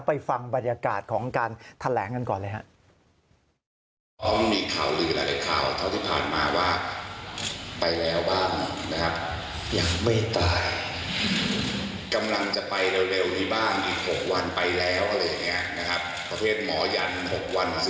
ไปฟังบรรยากาศของการแถลงกันก่อนเลยครับ